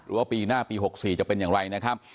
ว่าปีหน้าปี๖๔จะเป็นอย่างไรนะครับ